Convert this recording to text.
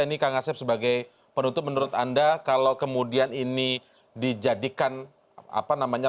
ini kang asep sebagai penutup menurut anda kalau kemudian ini dijadikan apa namanya